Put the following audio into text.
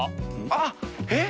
あっえっ？